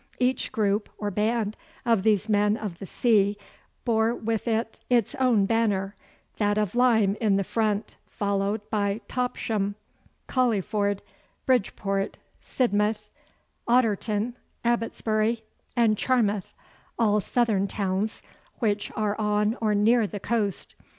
Each group, or band, of these men of the sea bore with it its own banner, that of Lyme in the front, followed by Topsham, Colyford, Bridport, Sidmouth, Otterton, Abbotsbury, and Charmouth, all southern towns, which are on or near the coast.